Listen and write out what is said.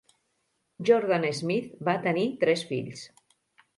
Jordan-Smith va tenir tres fills.